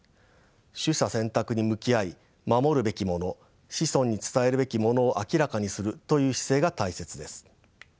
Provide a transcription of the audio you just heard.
取捨選択に向き合い守るべきもの子孫に伝えるべきものを明らかにするという姿勢が大切です。